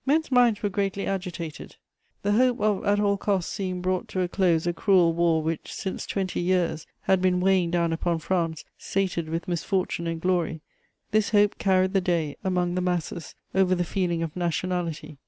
* Men's minds were greatly agitated: the hope of at all costs seeing brought to a close a cruel war which, since twenty years, had been weighing down upon France sated with misfortune and glory, this hope carried the day, among the masses, over the feeling of nationality.